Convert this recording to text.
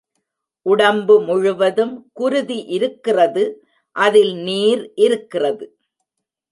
உடம்பு முழு வதும் குருதி இருக்கிறது அதில் நீர் இருக்கிறது.